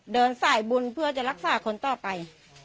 เดินสายบุญเพื่อจะรักษาคนต่อไป